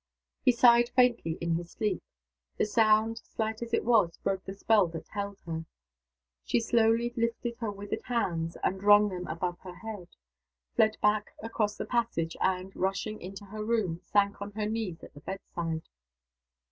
He sighed faintly in his sleep. The sound, slight as it was, broke the spell that held her. She slowly lifted her withered hands, and wrung them above her head; fled back across the passage; and, rushing into her room, sank on her knees at the bedside.